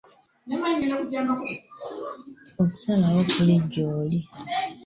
Okusalawo kuli gy’oli.